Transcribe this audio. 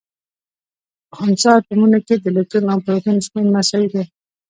په خنثا اتومونو کي د الکترون او پروتون شمېر مساوي. دی